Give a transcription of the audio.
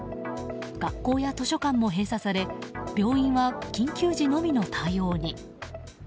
学校や図書館も閉鎖され病院は緊急時のみの対応に。